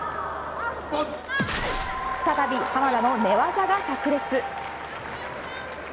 再び濱田の寝技がさく裂。